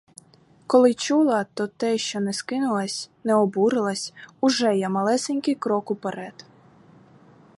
Коли чула, то те, що не скинулась, не обурилась, уже є малесенький крок уперед.